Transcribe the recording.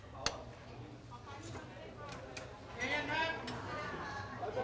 ขอขอบคุณหน่อยนะคะ